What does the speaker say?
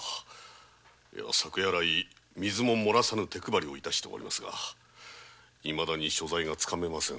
昨夜来水も漏らさぬ手配りを致しておりますがいまだに所在がつかめませぬ。